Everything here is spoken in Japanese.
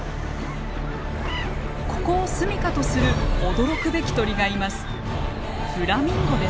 ここを住みかとする驚くべき鳥がいます。